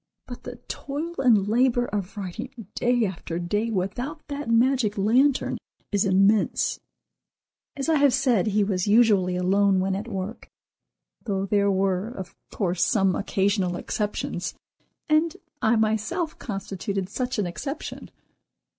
But the toil and labor of writing day after day without that magic lantern is immense!" As I have said, he was usually alone when at work, though there were, of course, some occasional exceptions, and I myself constituted such an exception.